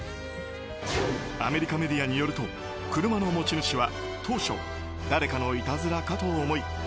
アメリカメディアによると車の持ち主は当初、誰かのいたずらかと思い